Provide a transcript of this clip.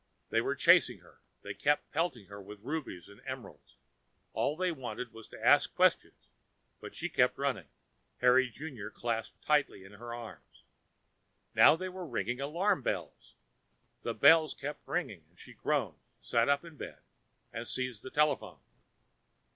They were chasing her, they kept pelting her with rubies and emeralds, all they wanted was to ask questions, but she kept running, Harry Junior clasped tightly in her arms. Now they were ringing alarm bells. The bells kept ringing and she groaned, sat up in bed, and seized the telephone.